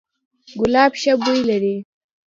ګلاب ښه بوی لري